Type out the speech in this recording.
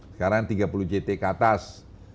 sekarang tiga puluh jt ke atas